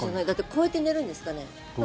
こうやって寝るんですかね？